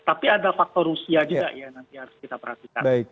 tapi ada faktor rusia juga ya nanti harus kita perhatikan